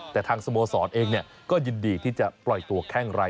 แต่ทางสโมสรเองก็ยินดีที่จะปล่อยตัวแข้งไร้